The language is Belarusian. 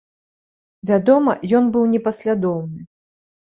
Вядома, ён быў непаслядоўны.